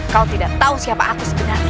kau tidak tahu siapa aku sebenarnya